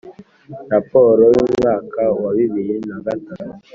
Raporo y umwaka wa bibiri na gatatu